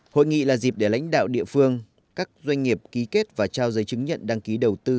hội nghị là dịp để lãnh đạo địa phương các doanh nghiệp ký kết và trao giấy chứng nhận đăng ký đầu tư